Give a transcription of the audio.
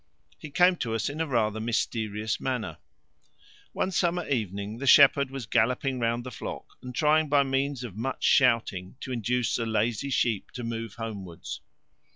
He came to us in a rather mysterious manner. One summer evening the shepherd was galloping round the flock, and trying by means of much shouting to induce the lazy sheep to move homewards.